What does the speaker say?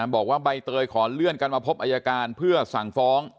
บอกว่าใบเตยขอเลื่อนกันมาพบอายการเพื่อสั่งฟ้อง